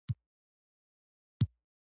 دا فکري ازموینه یوه مهمه خبره ښيي.